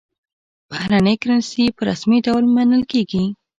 بهرنۍ کرنسي په رسمي ډول منل کېږي.